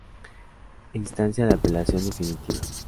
Instancia de apelación definitiva.